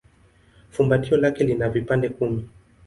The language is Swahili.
Fumbatio lake lina vipande kumi.